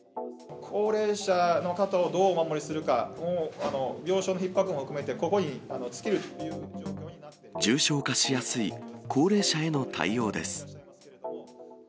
高齢者の方をどうお守りするか、病床のひっ迫も含めて、ここに尽きるというように思いま重症化しやすい高齢者への対応です。